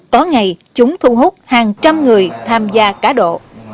có ngày chúng thu hút hàng trăm người tham gia cá độ